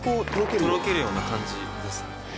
とろけるような感じですね。